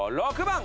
６番。